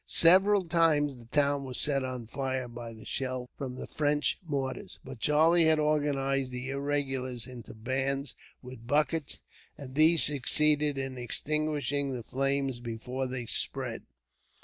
Several times the town was set on fire by the shell from the French mortars; but Charlie had organized the irregulars into bands with buckets, and these succeeded in extinguishing the flames before they spread.